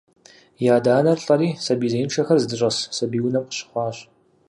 И адэ-анэр лӏэри сабий зеиншэхэр здыщӏэс «сабий унэм» къыщыхъуащ.